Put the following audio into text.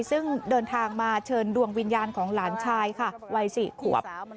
ซึ่งเดินทางมาเชิญดวงวิญญาณของหลานชายค่ะวัย๔ขวบ